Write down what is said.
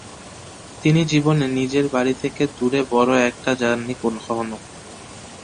তিনি জীবনে নিজের বাড়ি থেকে দূরে বড়ো একটা যাননি কখনও।